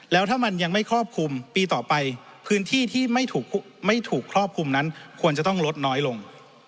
แล้วถ้ามันยังไม่ครอบคลุมปีต่อไปพื้นที่ที่ไม่ถูกครอบคลุมนั้นควรจะต้องลดน้อยลง